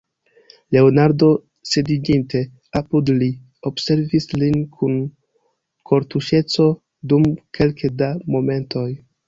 Leonardo, sidiĝinte apud li, observis lin kun kortuŝeco dum kelke da momentoj.